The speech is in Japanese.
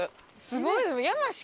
すごい！